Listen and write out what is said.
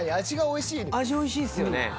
味おいしいっすよね。